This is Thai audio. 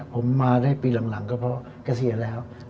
ผมมาได้ปีหลังก็เสียแล้ว